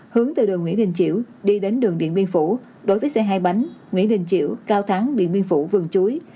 hướng từ đường nguyễn đình chiểu đi đến đường điện biên phủ đối với xe hai bánh nguyễn đình chiểu cao thắng điện biên phủ vườn chuối